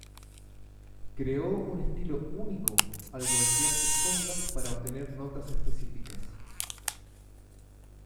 Creó un estilo único al voltear sus congas para obtener notas específicas.